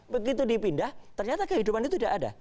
begitu dipindah ternyata kehidupan itu tidak ada